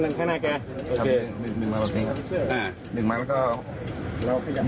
ดึงหน่อยกดนะคาวลงแล้วจะดึงนะดึงค่ะโอ้ย